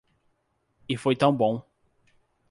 E foi tão bom!